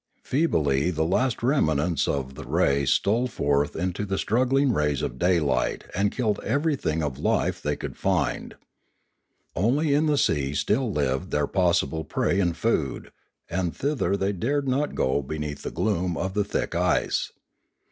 Feebly the last remnants of the race stole forth into the struggling rays of daylight and killed everything of life they could find. Only in the sea still lived their possible prey and food, and thither they dared not go beneath the gloom of the thick ice.